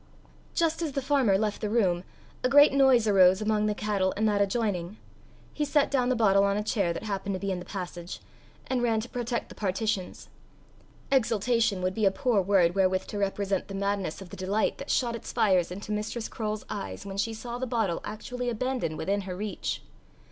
Just as the farmer left the room, a great noise arose among the cattle in that adjoining; he set down the bottle on a chair that happened to be in the passage, and ran to protect the partitions. Exultation would be a poor word wherewith to represent the madness of the delight that shot its fires into Mistress Croale's eyes when she saw the bottle actually abandoned within her reach.